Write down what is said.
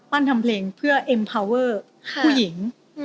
ทำเพลงเพื่อเอ็มพาเวอร์ผู้หญิง